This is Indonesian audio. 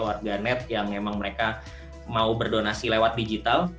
warga net yang memang mereka mau berdonasi lewat digital